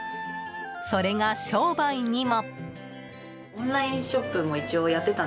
それが商売にも。